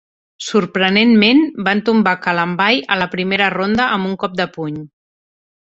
Sorprenentment, van tombar Kalambay a la primera ronda amb un cop de puny.